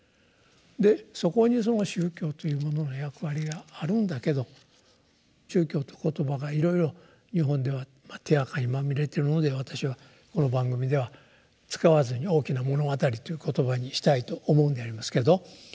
でそこに「宗教」というものの役割があるんだけど「宗教」って言葉がいろいろ日本では手あかにまみれているので私はこの番組では使わずに「大きな物語」っていう言葉にしたいと思うんでありますけど。